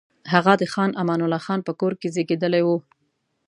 هغه د خان امان الله خان په کور کې زېږېدلی وو.